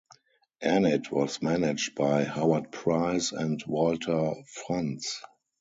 Enid was managed by Howard Price and Walter Frantz.